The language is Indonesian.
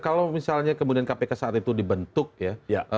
kalau misalnya kemudian kpk saat itu dibentuk ya